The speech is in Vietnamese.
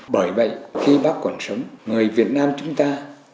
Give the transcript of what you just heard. bởi vậy khi bác còn sống người việt nam chúng ta